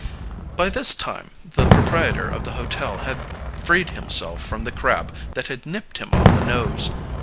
By this time the proprietor of the hotel had freed himself from the crab that had nipped him on the nose.